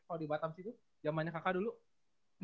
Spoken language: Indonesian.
kalau di batam sih itu jamannya kakak dulu